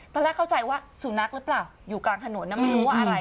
ตอนแรกเข้าใจว่าสุนัขหรือเปล่าอยู่กลางถนนนะไม่รู้ว่าอะไร